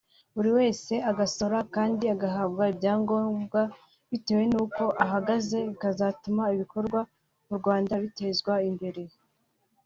buri wese agasora kandi agahabwa ibyangombwa bitewe n’uko ahagaze bikazatuma ibikorerwa mu Rwanda bitezwa imbere